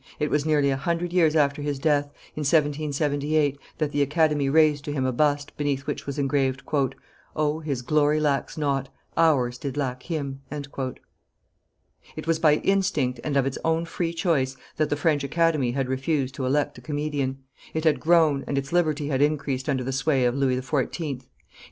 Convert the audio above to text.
It was nearly a hundred years after his death, in 1778, that the Academy raised to him a bust, beneath which was engraved, "O His glory lacks naught, ours did lack him." It was by instinct and of its own free choice that the French Academy had refused to elect a comedian: it had grown, and its liberty had increased under the sway of, Louis XIV.